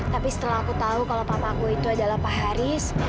tapi setelah aku tahu kalau papaku itu adalah pak haris